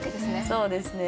そうですね。